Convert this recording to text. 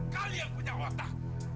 kalian punya otak